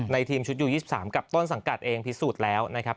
ทีมชุดยู๒๓กับต้นสังกัดเองพิสูจน์แล้วนะครับ